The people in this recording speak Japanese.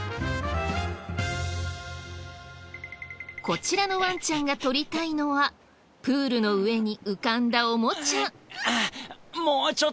こちらのワンちゃんが取りたいのはプールの上に浮かんだオモチャ。